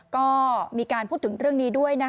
ก็มีการพูดถึงเรื่องนี้ด้วย